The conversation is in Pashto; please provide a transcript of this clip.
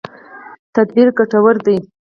تدبیر ګټور دی.